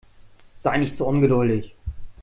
Sei nicht so ungeduldig.